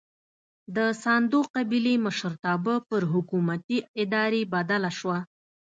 د ساندو قبیلې مشرتابه پر حکومتي ادارې بدله شوه.